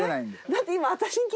だって今。